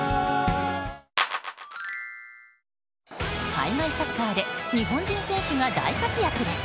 海外サッカーで日本人選手が大活躍です。